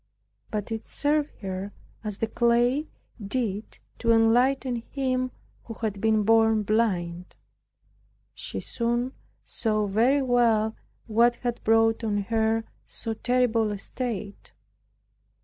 But it served her, as the clay did to enlighten him who had been born blind. She soon saw very well what had brought on her so terrible a state.